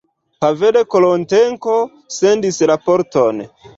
Pavel Korotenko sendis raporton.